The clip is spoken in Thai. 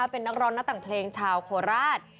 เป็นนักร้องนักแต่งเพลงชาวโคราช